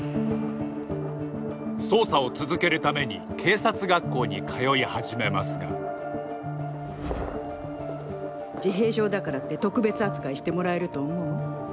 捜査を続けるために警察学校に通い始めますが自閉症だからって特別扱いしてもらえると思う？